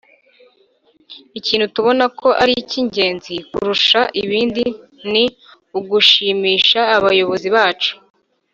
Ikintu tubona ko ari ik ingenzi kurusha ibindi ni ugushimisha abayobozi bacu